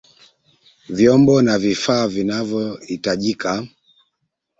Vyombo na vifaa vinavyahitajika